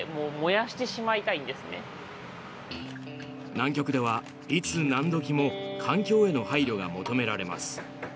南極では、いつ何時も環境への配慮が求められます。